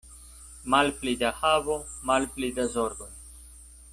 Malpli da havo, malpli da zorgoj.